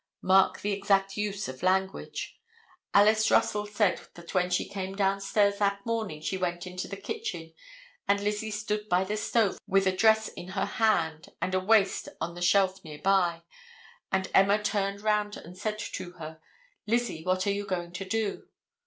Mark the exact use of language. Alice Russell said that when she came down stairs that morning she went into the kitchen and Lizzie stood by the stove with a dress skirt in her hand and a waist on the shelf near by, and Emma turned round and said to her, "Lizzie, what are you going to do?"